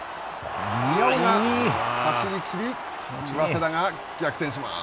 宮尾が走りきり早稲田が逆転します。